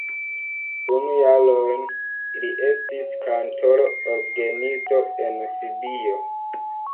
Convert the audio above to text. Unu jaron li estis kantoro orgenisto en Sibio.